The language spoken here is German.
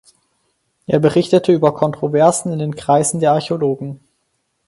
Er berichtete über Kontroversen in den Kreisen der Archäologen.